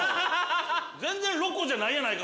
全然ロコじゃないやないか。